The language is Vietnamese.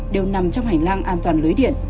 đều nằm trong hành lang an toàn lưới điện